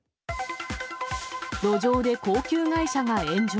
路上で高級外車が炎上。